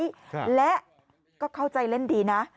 ครับและก็เข้าใจเล่นดีนะ